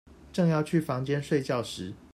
正要去房間睡覺時